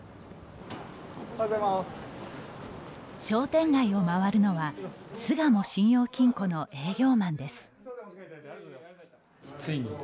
商店街を回るのは巣鴨信用金庫の営業マンです。